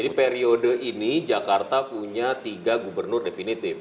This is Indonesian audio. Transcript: jadi periode ini jakarta punya tiga gubernur definitif